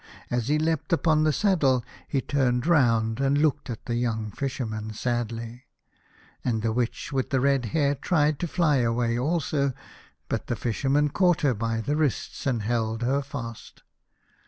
As he leapt upon the saddle he turned round, and looked at the young Fisher man sadly. And the Witch with the red hair tried to fly away also, but the Fisherman caught her by her wrists, and held her fast.